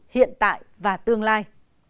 hiện tại và tương lai